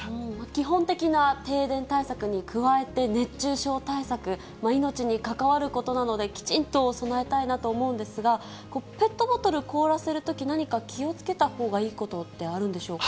基本的な停電対策に加えて熱中症対策、命に関わることなので、きちんと備えたいなと思うんですが、ペットボトル凍らせるときに、何か気をつけたほうがいいことってあるんでしょうか。